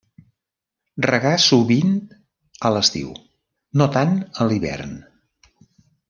Regar sovint a l'estiu, no tant a l'hivern.